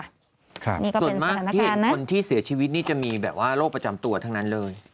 ส่วนมากที่เห็นคนที่เสียชีวิตนี่จะมีแบบว่าโรคประจำตัวทั้งนั้นเลย